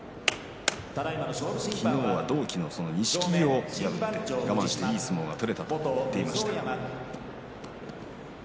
昨日は同期の錦木を破って我慢して、いい相撲が取れたと言っていました。